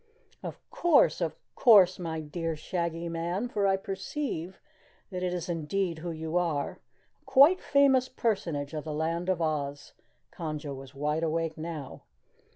"Of course, of course, my dear Shaggy Man, for I perceive that is indeed who you are a quite famous personage of the Land of Oz," Conjo was wide awake now.